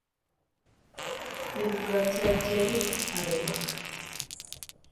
¿Éruka tze achere ke arewaka?